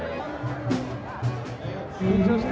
緊張した？